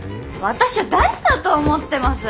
私を誰だと思ってます？